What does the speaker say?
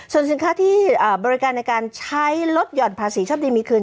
ส่วนสินค้าที่บริการในการใช้ลดหย่อนภาษีชอบดีมีคืน